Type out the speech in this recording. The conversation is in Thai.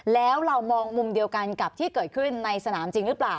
แล้วเรามองมุมเดียวกันกับที่เกิดขึ้นในสนามจริงหรือเปล่า